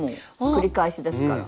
繰り返しですから。